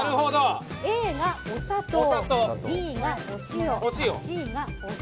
Ａがお砂糖、Ｂがお塩Ｃがお酢。